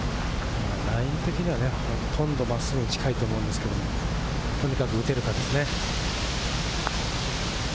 ライン的にはほとんど真っすぐに近いと思うんですけれど、とにかく打てるかですね。